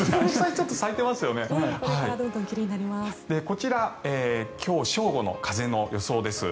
こちら今日正午の風の予想です。